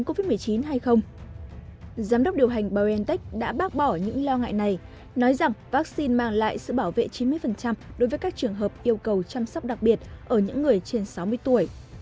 giám đốc điều hành biontech đã bác bỏ những lo ngại này nói rằng vaccine mang lại sự bảo vệ chín mươi đối với các trường hợp yêu cầu chăm sóc đặc biệt ở những người trên sáu mươi tuổi